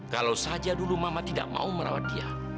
kalau saja dulu mama tidak mau merawat dia